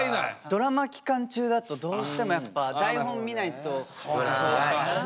ドラマ期間中だとどうしてもやっぱ台本見ないと不安になっちゃったりとか。